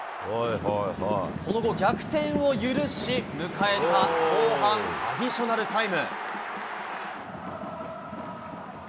その後、逆転を許し、迎えた後半アディショナルタイム。